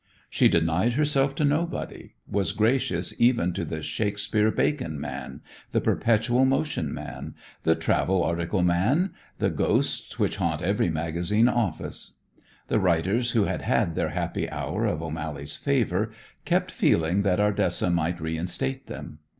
She denied herself to nobody, was gracious even to the Shakspere Bacon man, the perpetual motion man, the travel article man, the ghosts which haunt every magazine office. The writers who had had their happy hour of O'Mally's favor kept feeling that Ardessa might reinstate them.